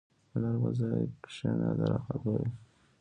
په نرمه ځای کښېنه، راحت به وي.